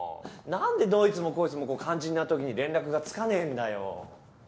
何でどいつもこいつも肝心なときに連絡がつかねえんだよ。